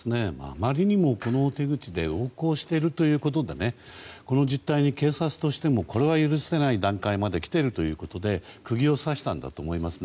あまりにもこの手口で横行しているということでこの実態に警察としてもこれは許せない段階まで来ているということで釘を刺したんだと思います。